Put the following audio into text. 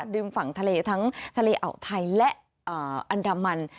ริมฝั่งทะเลทั้งทะเลอ่าวไทยและอันดามัน